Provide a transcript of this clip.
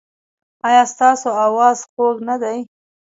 ایا ستاسو اواز خوږ نه دی؟